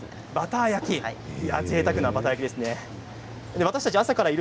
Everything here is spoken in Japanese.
ぜいたくなバター焼きですね。